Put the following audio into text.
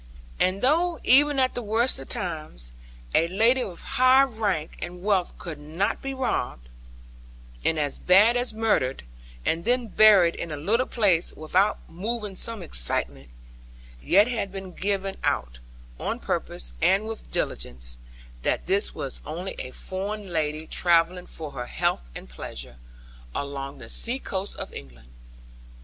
And though, even at the worst of times, a lady of high rank and wealth could not be robbed, and as bad as murdered, and then buried in a little place, without moving some excitement, yet it had been given out, on purpose and with diligence, that this was only a foreign lady travelling for her health and pleasure, along the seacoast of England.